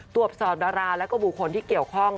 ตรวจสอบดาราแล้วก็บุคคลที่เกี่ยวข้อง